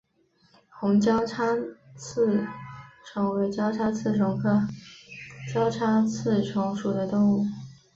红交叉棘虫为交叉棘虫科交叉棘虫属的动物。